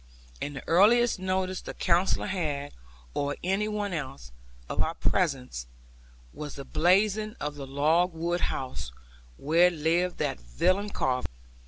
And the earliest notice the Counsellor had, or any one else, of our presence, was the blazing of the log wood house, where lived that villain Carver.